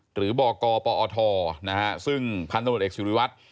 หรือบกปอทซึ่งพันธุ์ตำรวจเอกสุริวัตร